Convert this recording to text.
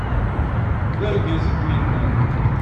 d argaz i d-yennan